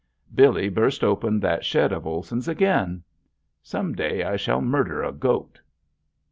Billy burst open that shed of Olson's again. Some day I shall murder a goat!